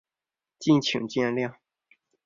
敬请见谅